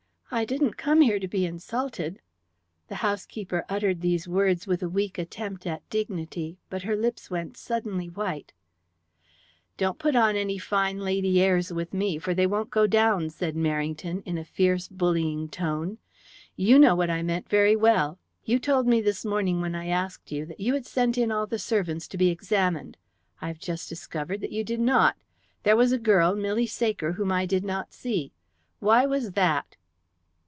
I didn't come here to be insulted." The housekeeper uttered these words with a weak attempt at dignity, but her lips went suddenly white. "Don't put on any fine lady airs with me, for they won't go down," said Merrington, in a fierce, bullying tone. "You know what I mean very well. You told me this morning, when I asked you, that you had sent in all the servants to be examined. I have just discovered that you did not. There was a girl, Milly Saker, whom I did not see. Why was that?"